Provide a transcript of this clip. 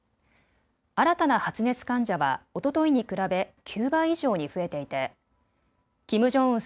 新たな発熱患者はおとといに比べ９倍以上に増えていてキム・ジョンウン